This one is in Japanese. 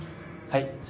はい。